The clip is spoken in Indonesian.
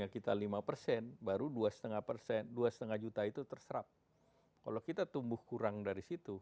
kalau kita tumbuh kurang dari situ